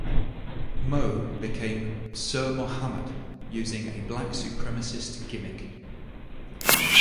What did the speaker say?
Mo became "Sir Mohammad", using a black supremacist gimmick.